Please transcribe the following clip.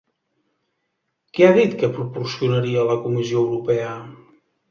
Què ha dit que proporcionaria la Comissió Europea?